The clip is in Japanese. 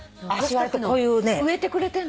植えてくれてんの？